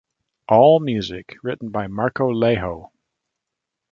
All music written by Marko Laiho.